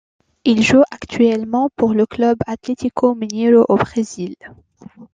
Il joue actuellement pour le Clube Atlético Mineiro au Brésil.